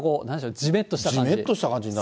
じめっとした感じになりますね。